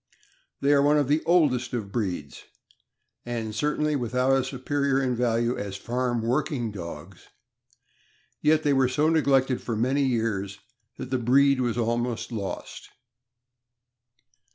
They are one of the oldest of breeds, and certainly with out a superior in value as farm working dogs; yet they were so neglected for many years that the breed was almost lost.